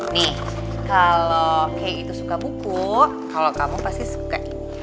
nih kalo kay itu suka buku kalo kamu pasti suka